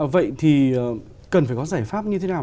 vậy thì cần phải có giải pháp như thế nào